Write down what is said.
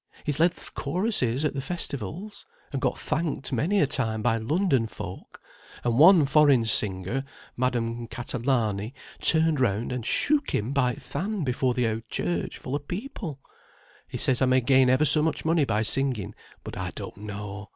He's led th' chorusses at the Festivals, and got thanked many a time by London folk; and one foreign singer, Madame Catalani, turned round and shook him by th' hand before the Oud Church full o' people. He says I may gain ever so much money by singing; but I don't know.